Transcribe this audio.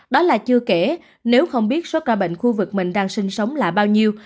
đó là chưa kể nếu không biết số ca bệnh khu vực mình đang sinh sống là bao nhiêu